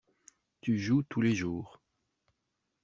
Tu joues tous les jours.